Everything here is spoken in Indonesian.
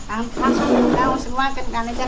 langsung dituang semua kan karena itu cair